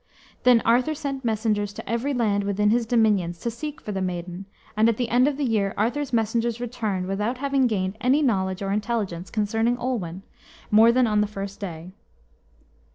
Then Arthur sent messengers to every land within his dominions to seek for the maiden, and at the end of the year Arthur's messengers returned without having gained any knowledge or intelligence concerning Olwen, more than on the first day.